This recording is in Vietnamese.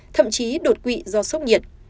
thậm chí đột quỵ do sốc nhiệt